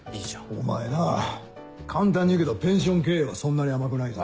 お前な簡単に言うけどペンション経営はそんなに甘くないぞ。